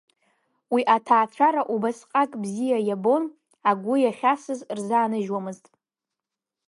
Уи аҭаацәара убасҟак бзиа иабон, агәы иахьасыз рзанажьуамызт.